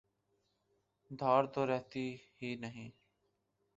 دھاڑ تو رہتی ہی نہیں۔